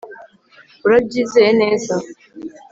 Urabyizeye neza